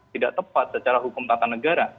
tidak tepat secara hukum tata negara